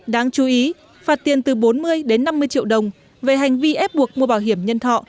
đáng chú ý phạt tiền từ bốn mươi đến năm mươi triệu đồng về hành vi ép buộc mua bảo hiểm nhân thọ